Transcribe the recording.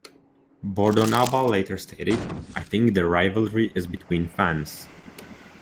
Bordonaba later stated, I think the rivalry is between fans.